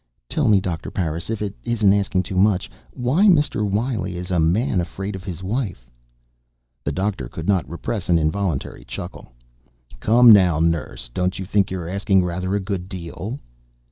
"Tell me, Doctor Parris, if it isn't asking too much, why Mr. Wiley is a Man Afraid of his Wife?" The doctor could not repress an involuntary chuckle. "Come now, nurse, don't you think you're asking rather a good deal?"